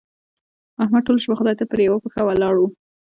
احمد ټوله شپه خدای ته پر يوه پښه ولاړ وو.